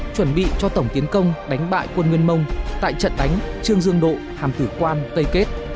chuẩn bị cho tổng tiến công đánh bại quân nguyên mông tại trận đánh trương dương độ hàm tử quan tây kết